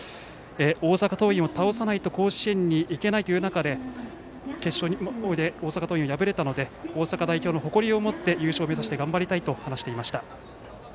大阪桐蔭を倒さないと甲子園にいけないということで決勝で大阪桐蔭を敗れたので大阪代表の誇りを持って優勝を目指して頑張りたいと話していました。